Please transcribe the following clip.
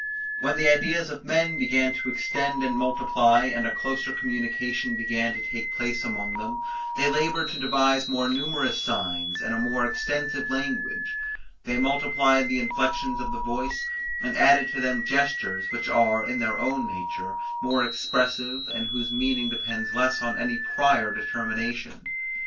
When the ideas of men began to extend and multiply, and a closer communication began to take place among them, they laboured to devise more numerous signs, and a more extensive language: they multiplied the inflections of the voice, and added to them gestures, which are, in their own nature, more expressive, and whose meaning depends less on any prior determination.